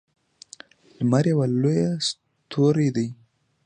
لمر یوه لویه ستوری ده